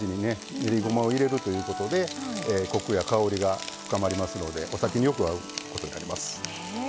練りごまを入れるということでコクや香りが深まりますのでお酒によく合うことになります。